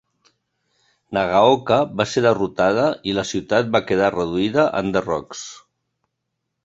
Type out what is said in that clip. Nagaoka va ser derrotada i la ciutat va quedar reduïda a enderrocs.